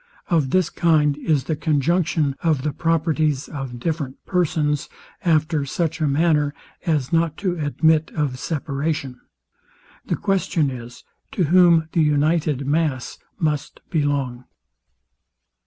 Of this kind Is the conjunction of the properties of different persons, after such a manner as not to admit of separation. The question is, to whom the united mass must belong.